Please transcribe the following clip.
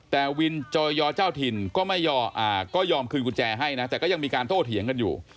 แต่วินจอยอเจ้าถิ่นก็ไม่ยอมก็ยอมคืนกุญแจให้นะแต่ก็ยังมีการโต้เถียงกันอยู่